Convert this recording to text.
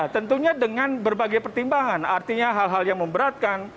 tentunya dengan berbagai pertimbangan artinya hal hal yang memberatkan